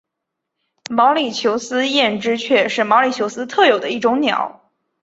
毛里求斯艳织雀是毛里求斯特有的一种鸟。